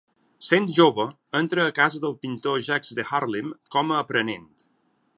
Sent jove, entra a casa del pintor Jacques de Haarlem com a aprenent.